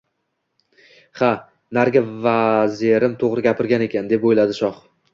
Ha, narigi vazirim toʻgʻri gapirgan ekan, deb oʻyladi shoh